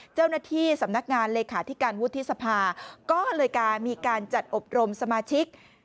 เจ้าหน้าที่สำนักงานเลขาธิการวุฒิสภาก็เลยการมีการจัดอบรมสมาชิก